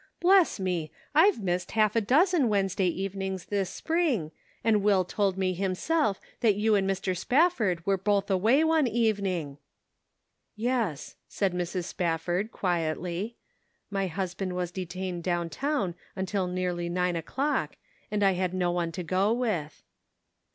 Bless me ! I've missed half a dozen Wednesday evenings this spring, and Will told me himself that you and Mr. Spafford were both away one evening." " Yes," said Mrs. Spafford, quietly ;" my husband was detained down town until nearly "Yet Lackest Thou ." 163 nine o'clock, and I had no one to go with."